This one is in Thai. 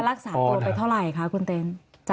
กำลังจะถามว่ารักษาตัวไปเท่าไรคะคุณเต้น